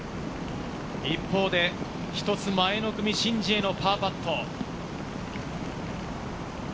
一方で、一つ前の組、シン・ジエのパーパット。